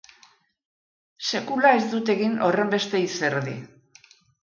Sekula ez dut egin horrenbeste izerdi!